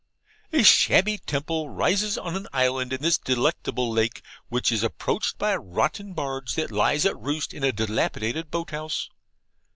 A shabby temple rises on an island in this delectable lake, which is approached by a rotten barge that lies at roost in a dilapidated boat house.